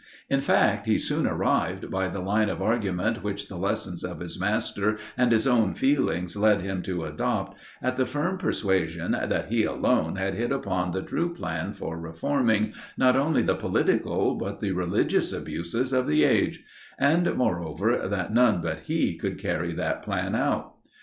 In fact, he soon arrived, by the line of argument which the lessons of his master and his own feelings led him to adopt, at the firm persuasion that he alone had hit upon the true plan for reforming, not only the political, but the religious abuses of the age; and, moreover, that none but he could carry that plan out.